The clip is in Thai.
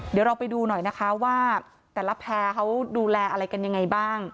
เดี๋ยวเราไปดูหน่อยนะคะว่าแต่ละแพร่เขาดูแลอะไรกันยังไงบ้าง